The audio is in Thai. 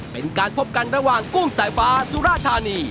เป็นการพบกันระหว่างกุ้งสายฟ้าสุราธานี